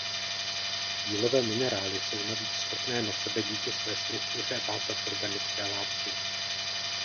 Jílové minerály jsou navíc schopné na sebe díky své struktuře vázat organické látky.